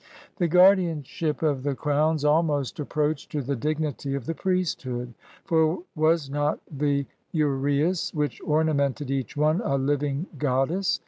The guardianship of the crowns ahnost IS EGYPT approached to the dignity of the priesthood; for was not the urceus, which ornamented each one, a living god dess?